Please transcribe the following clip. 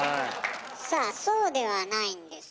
さあそうではないんですよ。